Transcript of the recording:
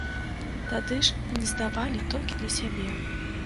Тады ж не здавалі, толькі для сябе.